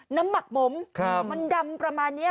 น้ำหมักหมมมันดำประมาณเนี่ย